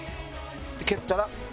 蹴ったら。